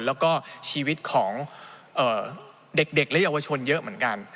แล้วก็ชีวิตของเด็กและเยาวชนเยอะเหมือนกัน